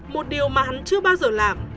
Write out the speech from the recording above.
một điều mà hắn chưa bao giờ làm